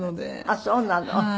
あっそうなの。